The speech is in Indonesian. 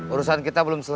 urusan kita belum diketahui